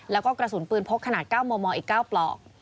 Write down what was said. แล้วก็กระสุนปืนพกขนาด๙มมอีก๙ปลอก